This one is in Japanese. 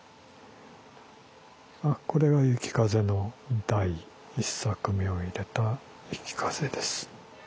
あっこれが「雪風」の第１作目を入れた「雪風」です。